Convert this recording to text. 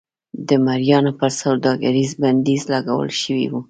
د مریانو پر سوداګرۍ بندیز لګول شوی و.